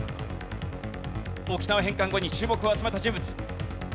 沖縄返還後に注目を集めた人物。